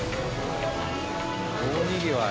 大にぎわい。